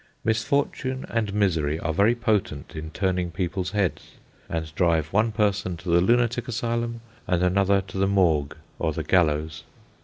Misfortune and misery are very potent in turning people's heads, and drive one person to the lunatic asylum, and another to the morgue or the gallows.